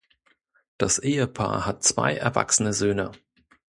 Das Ehepaar hat zwei erwachsene Söhne.